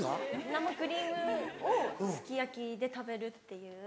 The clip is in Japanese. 生クリームをすき焼きで食べるっていう。